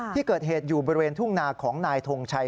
ที่เกิดเหตุอยู่บริเวณทุ่งนาของนายทงชัย